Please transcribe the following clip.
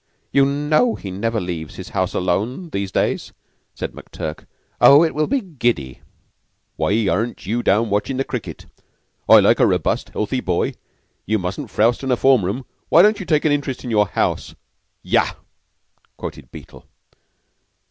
You know he never leaves his house alone, these days," said McTurk. "Oh, it will be giddy!" "Why aren't you down watchin' cricket? I like a robust, healthy boy. You mustn't frowst in a form room. Why don't you take an interest in your house? Yah!" quoted Beetle.